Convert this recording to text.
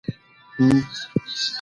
ګور د مرغانو يو دم الوتو ته وايي.